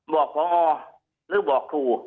บอกพอหรือบอกครู